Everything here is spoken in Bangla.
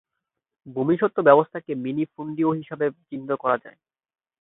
ভূমিস্বত্ব ব্যবস্থাকে মিনিফুনডিও হিসেবে চিহ্নিত করা যায়।